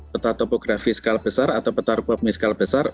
peta topografi skala besar atau peta repopomi skala besar